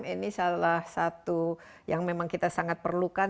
ini salah satu yang memang kita sangat perlukan